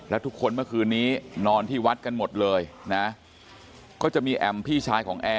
แล้วทุกคนเมื่อคืนนี้นอนที่วัดกันหมดเลยนะก็จะมีแอมพี่ชายของแอร์